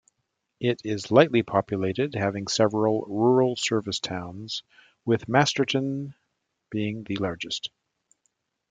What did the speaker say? It is lightly populated, having several rural service towns, with Masterton being the largest.